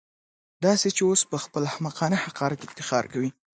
داسې چې اوس پهخپل احمقانه حقارت افتخار کوي.